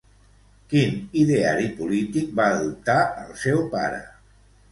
Quin ideari polític va adoptar el seu pare?